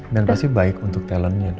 dan pasti baik untuk talentnya